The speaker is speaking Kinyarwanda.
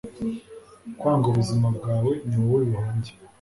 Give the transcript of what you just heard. Kwanga ubuzima bwawe niwowe bihombya